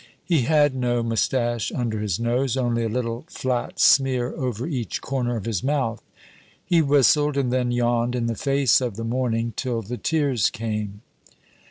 He had no mustache under his nose only a little flat smear over each corner of his mouth. He whistled, and then yawned in the face of the morning till the tears came.